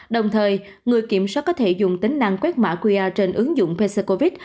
đồng thời người kiểm soát có thể dùng tính năng quét mã qr trên ứng dụng pesco